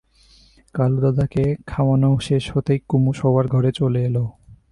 কালুদাদাকে খাওয়ানো শেষ হতেই কুমু শোবার ঘরে চলে এল।